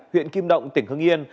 huyện kim động tỉnh hưng yên